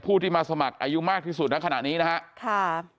ผู้ที่มาสมัครอายุมากที่สุดในขณะนี้นะครับ